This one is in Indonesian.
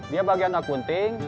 dia bagian akunting